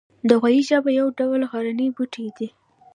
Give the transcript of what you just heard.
د غویي ژبه یو ډول غرنی بوټی دی